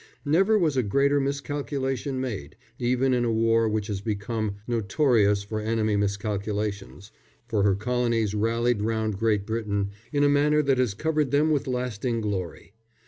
Never was a greater miscalculation made, even in a war which has become notorious for enemy miscalculations, for her Colonies rallied round Great Britain in a manner that has covered them with lasting glory.